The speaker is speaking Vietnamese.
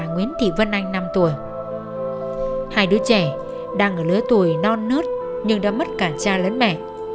nguyễn thị vân anh năm tuổi hai đứa trẻ đang ở lứa tuổi non nớt nhưng đã mất cả cha lẫn mẹ